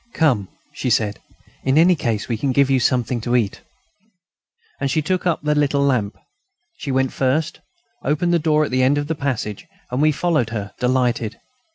"Come," she said; "in any case, we can give you something to eat." And she took up the little lamp. She went first, opened the door at the end of the passage, and we followed her, delighted.